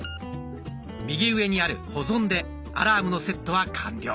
右上にある「保存」でアラームのセットは完了。